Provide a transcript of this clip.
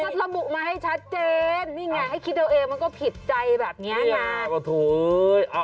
ก็ระบุมาให้ชัดเจนนี่ไงให้คิดเอาเองมันก็ผิดใจแบบนี้ไง